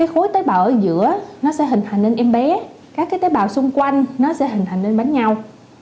khối tế bào ở giữa sẽ hình thành em bé các tế bào xung quanh sẽ hình thành bánh nhau